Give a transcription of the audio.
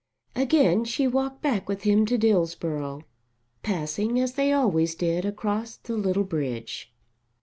Again she walked back with him to Dillsborough, passing as they always did across the little bridge.